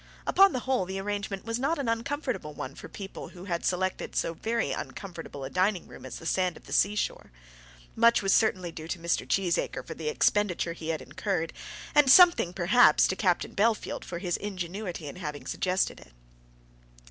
Upon the whole the arrangement was not an uncomfortable one for people who had selected so very uncomfortable a dining room as the sand of the sea shore. Much was certainly due to Mr. Cheesacre for the expenditure he had incurred, and something perhaps to Captain Bellfield for his ingenuity in having suggested it.